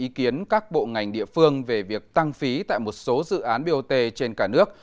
ý kiến các bộ ngành địa phương về việc tăng phí tại một số dự án bot trên cả nước